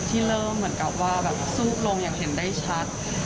ที่เริ่มเหมือนกับว่าแบบสุดลงอย่างเห็นได้ชัด